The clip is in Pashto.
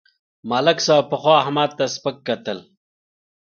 ملک صاحب پخوا احمد ته سپکه کتل.